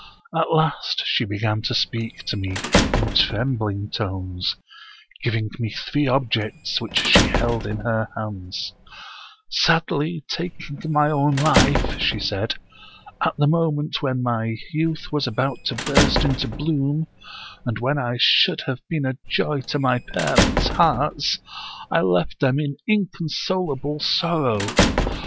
At last she began to speak to me in trembling tones, giving me three objects which she held in her hands :* Sadly taking my own life,* she said, ' at the moment when my youth was about to burst into bloom, and when I should have been a joy to my parents' hearts, I left them in inconsolable sor row.